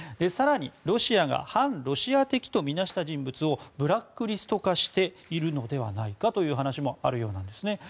更にロシアが反ロシア的とみなした人物をブラックリスト化しているのではないかという話もあるようです。